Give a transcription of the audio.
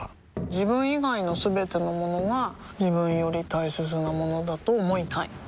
自分以外のすべてのものが自分より大切なものだと思いたい